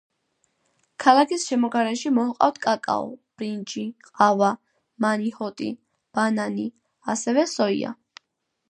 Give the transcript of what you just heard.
ქალაქის შემოგარენში მოჰყავთ კაკაო, ბრინჯი, ყავა, მანიჰოტი, ბანანი, ასევე სოია.